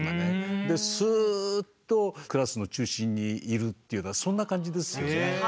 ですっとクラスの中心にいるというようなそんな感じですよね。